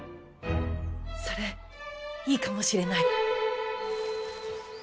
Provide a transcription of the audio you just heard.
それいいかもしれない。